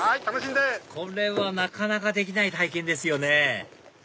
これはなかなかできない体験ですよね